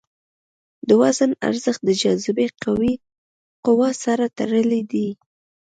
د وزن ارزښت د جاذبې قوې سره تړلی دی.